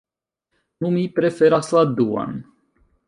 Nu, mi preferas la duan.